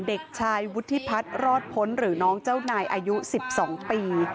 เด็กชายวุฒิพัฒน์รอดพ้นหรือน้องเจ้านายอายุ๑๒ปี